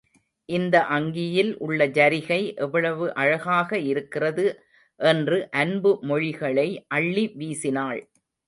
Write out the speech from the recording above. இந்த அங்கியில் உள்ள ஜரிகை எவ்வளவு அழகாக இருக்கிறது என்று அன்பு மொழிகளை அள்ளி வீசினாள்.